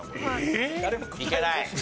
いけない。